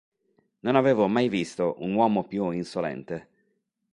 Non avevo mai visto un uomo più insolente.